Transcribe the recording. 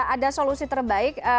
ada solusi terbaik